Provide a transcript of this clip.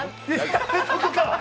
やめとくか！